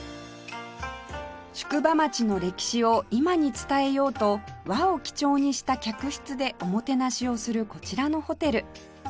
宿場町の歴史を今に伝えようと和を基調にした客室でおもてなしをするこちらのホテル